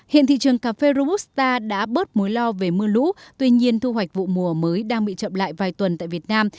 hiện thị trường cà phê robusta đã bớt mối lo về mưa lũ tuy nhiên thu hoạch vụ mùa mới đang bị chậm lại vài tuần tại việt nam